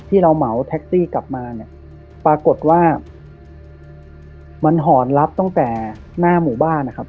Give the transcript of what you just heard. เราเหมาแท็กซี่กลับมาเนี่ยปรากฏว่ามันหอนรับตั้งแต่หน้าหมู่บ้านนะครับ